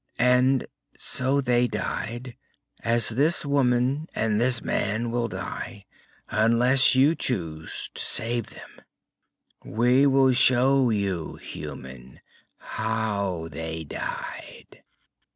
And so they died, as this woman and this man will die, unless you choose to save them. "We will show you, human, how they died!"